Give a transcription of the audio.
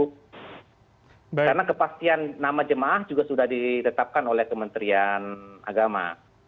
karena kepastian nama jemaah juga sudah ditetapkan oleh kementerian agama